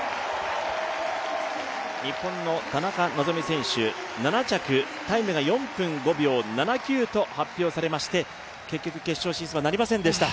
日本の田中希実選手７着タイムが４分５秒７９と発表されまして結局、決勝進出はなりませんでした